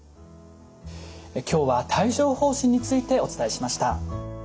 今日は帯状ほう疹についてお伝えしました。